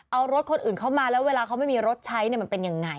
เอารถคนอื่นเข้ามาแล้วเวลาเขาไม่มีรถใช้มันเป็นยังไง